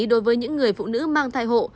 đối với những người phụ nữ mang thai hộ